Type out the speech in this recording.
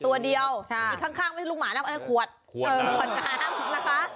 ตัวเดียวอีกข้างไม่ใช่ลูกหมาแล้วอันนั้นขวดขวดน้ำนะคะ